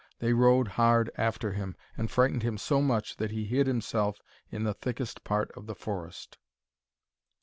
They rode hard after him, and frightened him so much that he hid himself in the thickest part of the forest.